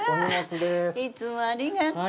いつもありがとう。